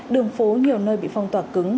đường phố nhiều nơi bị phong tỏa cứng